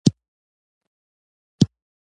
ژوند په ښځو ښکلی ده.